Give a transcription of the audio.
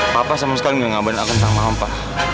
papa sama sekali gak ngabarin aku tentang mama pa